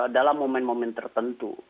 dalam momen momen tertentu